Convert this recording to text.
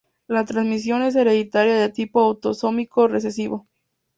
La transmisión es hereditaria de tipo autosómico recesivo.